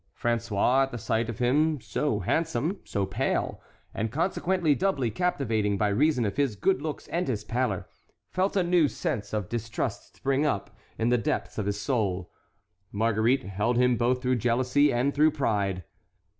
François, at the sight of him, so handsome, so pale, and consequently doubly captivating by reason of his good looks and his pallor, felt a new sense of distrust spring up in the depths of his soul. Marguerite held him both through jealousy and through pride.